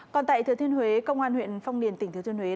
còn tại thứa thiên huế công an huyện phong điền tỉnh thứa thiên huế